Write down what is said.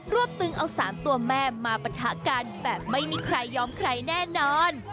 วบตึงเอา๓ตัวแม่มาปะทะกันแบบไม่มีใครยอมใครแน่นอน